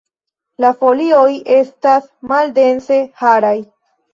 La folioj estas maldense haraj.